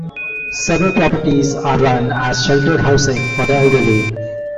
Several properties are run as sheltered housing for the elderly.